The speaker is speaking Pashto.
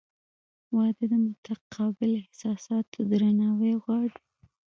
• واده د متقابل احساساتو درناوی غواړي.